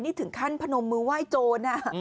นี่ถึงขั้นพนมมือไหว้โจร